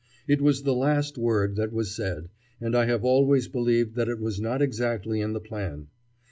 It was the last word that was said, and I have always believed that it was not exactly in the plan.